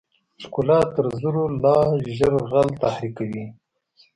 ښکلا تر زرو لا ژر غل تحریکوي.